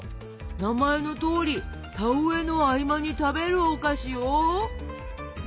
名前のとおり田植えの合間に食べるお菓子よ。